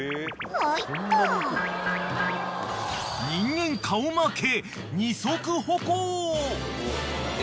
［人間顔負け］